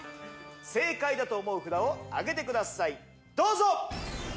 正解だと思う札をあげてくださいどうぞ！